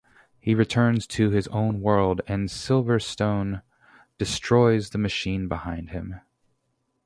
He returns to his own world and Silverstone destroys the machine behind him.